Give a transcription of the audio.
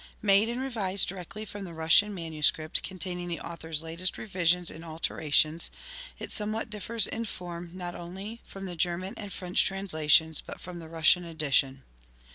Made and revised directly from the Russian manuscript containing the Author's latest revisions and alter ations, it somewhat differs in form, not only from the German and French translations, but from the Russian edition.